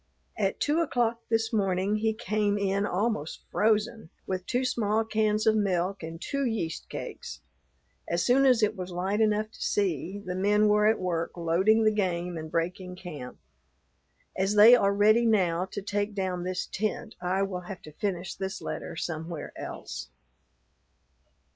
At two o'clock this morning he came in almost frozen, with two small cans of milk and two yeast cakes. As soon as it was light enough to see, the men were at work loading the game and breaking camp. As they are ready now to take down this tent, I will have to finish this letter somewhere else.